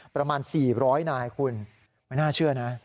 ประมาณสี่ร้อยนายคุณไม่น่าเชื่อนะ